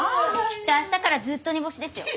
きっと明日からずっと煮干しですよ。